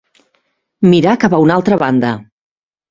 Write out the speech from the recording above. Mirar cap a una altra banda.